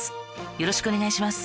よろしくお願いします